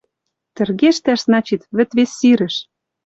Тӹргештӓш, значит, вӹд вес сирӹш.